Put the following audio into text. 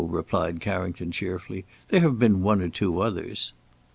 replied Carrington cheerfully; "there have been one or two others."